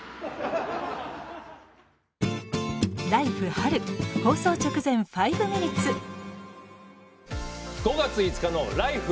春」放送直前「５ミニッツ」５月５日の「ＬＩＦＥ！